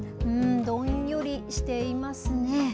どんよりしていますね。